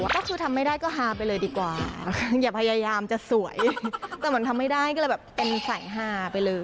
ก็คือทำไม่ได้ก็ฮาไปเลยดีกว่าอย่าพยายามจะสวยแต่เหมือนทำไม่ได้ก็เลยแบบเป็นสายฮาไปเลย